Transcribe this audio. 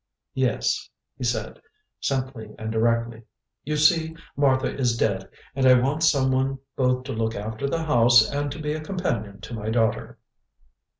"Yes," he said, simply and directly. "You see, Martha is dead, and I want someone both to look after the house and to be a companion to my daughter."